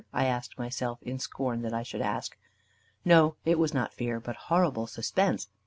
I asked myself, in scorn that I should ask. No, it was not fear, but horrible suspense.